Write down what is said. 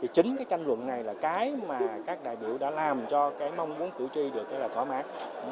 chính cái tranh luận này là cái mà các đại biểu đã làm cho cái mong muốn cử tri được thỏa mãn